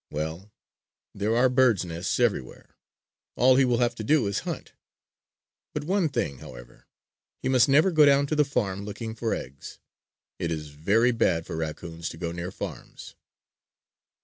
Well, there are birds' nests everywhere. All he will have to do is hunt. But one thing, however: he must never go down to the farm looking for eggs. It is very bad for raccoons to go near farms.